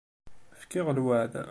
Fkiɣ lweɛd.